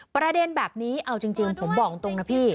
ประเด็นแบบนี้เอาจริงผมบอกตรงนะพี่